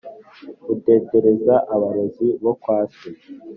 mutetereza- barozi bo kwase